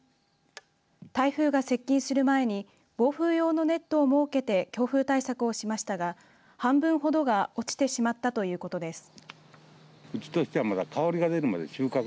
台風が接近する前に防風用のネットを設けて強風対策をしましたが半分ほどが落ちてしまったということです。